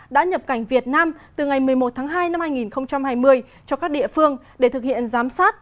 đã nhập cảnh việt nam từ ngày một mươi một tháng hai năm hai nghìn hai mươi cho các địa phương để thực hiện giám sát